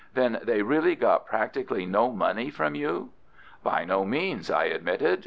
"Then they really got practically no money from you?" "By no means," I admitted.